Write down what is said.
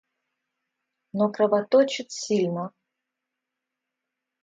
Но кровоточит сильно.